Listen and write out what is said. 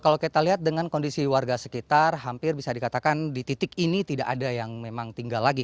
kalau kita lihat dengan kondisi warga sekitar hampir bisa dikatakan di titik ini tidak ada yang memang tinggal lagi